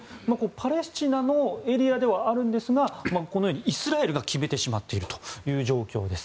パレスチナのエリアではあるんですがこのようにイスラエルが決めてしまっているという状況です。